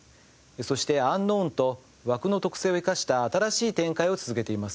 そして『ｕｎｋｎｏｗｎ』と枠の特性を生かした新しい展開を続けています。